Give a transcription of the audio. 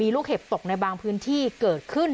ลูกเห็บตกในบางพื้นที่เกิดขึ้น